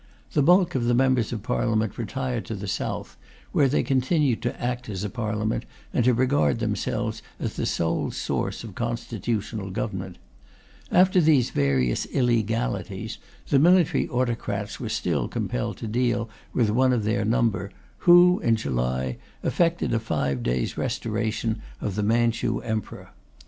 The bulk of the Members of Parliament retired to the South, where they continued to act as a Parliament and to regard themselves as the sole source of constitutional government. After these various illegalities, the military autocrats were still compelled to deal with one of their number, who, in July, effected a five days' restoration of the Manchu Emperor.